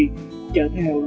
trở thành đồng bào đà nẵng